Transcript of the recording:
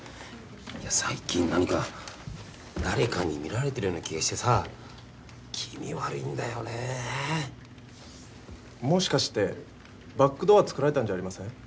いや最近何か誰かに見られてるような気がしてさ気味悪いんだよねもしかしてバックドア作られたんじゃありません？